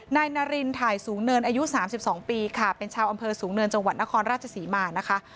นายนารินถ่ายสูงเนินอายุ๓๒ปีค่ะเป็นชาวอำเภอสูงเนินจังหวัดนครราชศรีมานะคะ